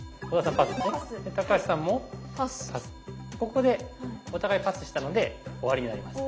ここでお互いパスしたので終わりになります。